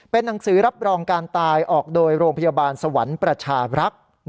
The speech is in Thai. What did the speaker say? เป็นหนังสือรับรองการตายออกโดยโรงพยาบาลสวรรค์ประชารักษ์